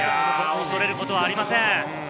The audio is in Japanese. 恐れることはありません。